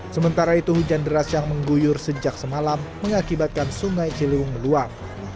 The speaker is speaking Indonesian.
sementara itu hujan deras yang mengguyur sejak semalam mengakibatkan sungai ciliwung meluap